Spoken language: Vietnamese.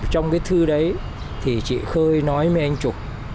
trong cái thư đấy thì chị khơi nói với anh trục